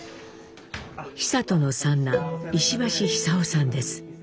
久渡の三男石橋壽生さんです。